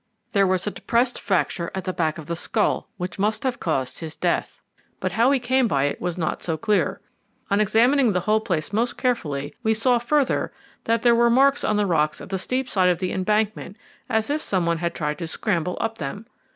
There was a depressed fracture at the back of the skull, which must have caused his death; but how he came by it was not so clear. On examining the whole place most carefully, we saw, further, that there were marks on the rocks at the steep side of the embankment as if some one had tried to scramble up them.